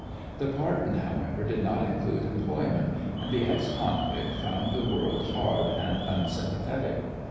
The pardon, however, did not include employment, and the ex convict found the world hard and unsympathetic.